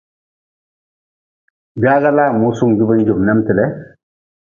Gwaga laa musunga jubi n jum nemte le.